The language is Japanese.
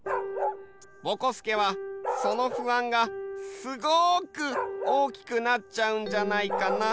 ぼこすけはその不安がすごくおおきくなっちゃうんじゃないかな？